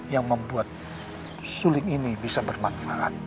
yang membuat suling ini bisa bermanfaat